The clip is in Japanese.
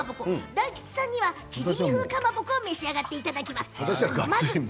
大吉さんにはチヂミ風かまぼこを召し上がっていただきます。